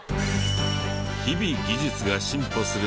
日々技術が進歩する現代。